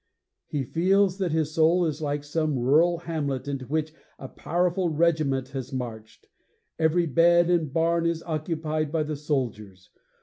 _' He feels that his soul is like some rural hamlet into which a powerful regiment has marched. Every bed and barn is occupied by the soldiers.